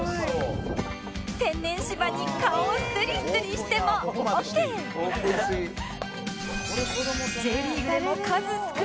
天然芝に顔をスリスリしてもオッケーができますよ